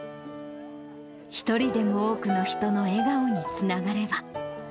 一人でも多くの人の笑顔につながれば。